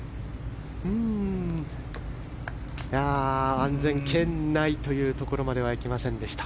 安全圏内というところまではいきませんでした。